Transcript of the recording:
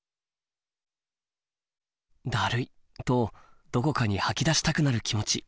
「だるい」とどこかに吐き出したくなる気持ち